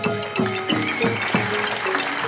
อ่าอ่าอ่า